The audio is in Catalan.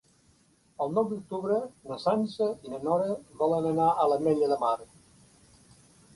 El nou d'octubre na Sança i na Nora volen anar a l'Ametlla de Mar.